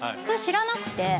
それ知らなくて。